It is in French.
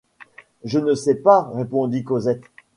Je ne sais pas, répondit Cosette.